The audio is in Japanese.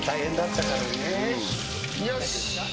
よし。